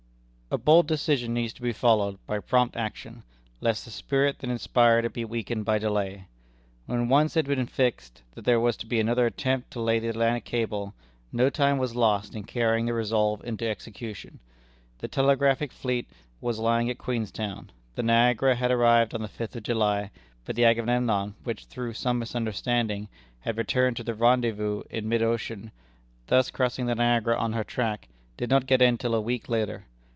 A bold decision needs to be followed by prompt action, lest the spirit that inspired it be weakened by delay. When once it had been fixed that there was to be another attempt to lay the Atlantic cable, no time was lost in carrying the resolve into execution. The telegraphic fleet was lying at Queenstown. The Niagara had arrived on the fifth of July, but the Agamemnon, which, through some misunderstanding, had returned to the rendezvous in mid ocean, thus crossing the Niagara on her track, did not get in till a week later.